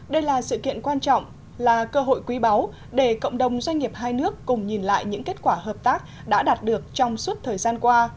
đây là sự kiện quan trọng là cơ hội quý báu để cộng đồng doanh nghiệp hai nước cùng nhìn lại những kết quả hợp tác đã đạt được trong suốt thời gian qua